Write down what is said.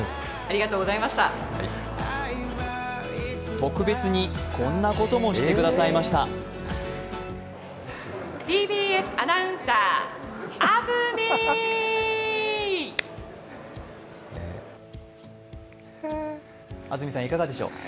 特別にこんなこともしてくださいました安住さん、いかがでしょう。